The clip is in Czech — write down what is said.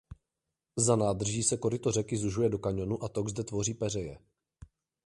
Za nádrží se koryto řeky zužuje do kaňonu a tok zde tvoří peřeje.